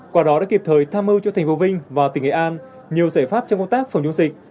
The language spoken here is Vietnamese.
quả đó đã kịp thời tham mưu cho thành phố vinh và tỉnh nghệ an nhiều giải pháp trong công tác phòng chống dịch